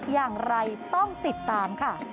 อย่างไรต้องติดตามค่ะ